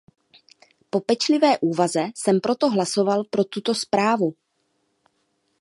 Po pečlivé úvaze jsem proto hlasoval pro tuto zprávu.